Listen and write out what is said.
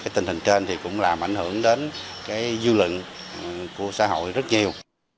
tình hình trên cũng làm ảnh hưởng đến dư lận của xã hội rất nhiều